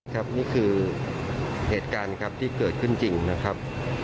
ครับนี่คือเหตุการณ์ครับที่เกิดขึ้นจริงนะครับ